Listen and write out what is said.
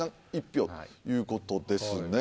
１票ということですね。